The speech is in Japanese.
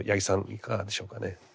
いかがでしょうかね。